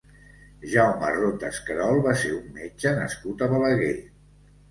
Jaume Rotés Querol va ser un metge nascut a Balaguer.